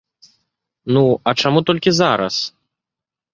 Ну, а чаму толькі зараз!?